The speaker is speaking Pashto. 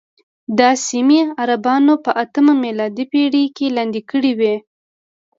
دا سیمې عربانو په اتمه میلادي پېړۍ کې لاندې کړې وې.